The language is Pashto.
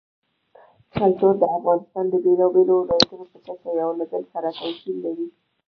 کلتور د افغانستان د بېلابېلو ولایاتو په کچه یو له بل سره توپیر لري.